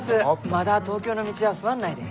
まだ東京の道は不案内で。